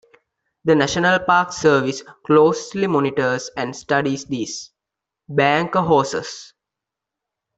The National Park Service closely monitors and studies these "Banker horses".